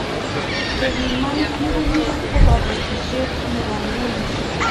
kepiman ngungunyek ko kabatishiet nebo nguno